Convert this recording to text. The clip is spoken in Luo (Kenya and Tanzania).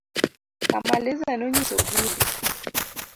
Kamaliza nonyiso Bundi